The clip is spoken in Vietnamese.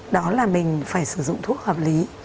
đó là mình phải sử dụng thuốc hợp lý